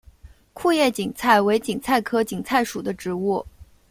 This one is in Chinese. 库页堇菜为堇菜科堇菜属的植物。